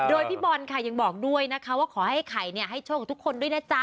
โดยพี่บอลค่ะยังบอกด้วยนะคะว่าขอให้ไข่ให้โชคกับทุกคนด้วยนะจ๊ะ